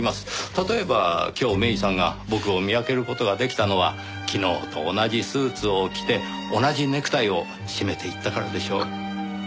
例えば今日芽依さんが僕を見分ける事が出来たのは昨日と同じスーツを着て同じネクタイを締めていったからでしょう。